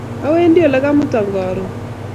Awendi ole ka'muta karun